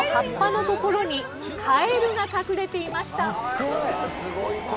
すごい！